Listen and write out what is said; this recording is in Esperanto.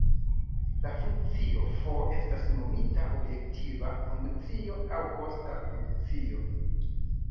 La funkcio "f" estas nomita objektiva funkcio, aŭ kosta funkcio.